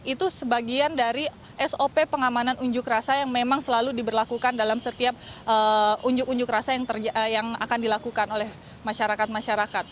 itu sebagian dari sop pengamanan unjuk rasa yang memang selalu diberlakukan dalam setiap unjuk unjuk rasa yang akan dilakukan oleh masyarakat masyarakat